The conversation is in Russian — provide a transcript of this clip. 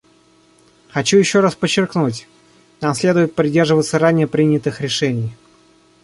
Хочу еще раз подчеркнуть: нам следует придерживаться ранее принятых решений.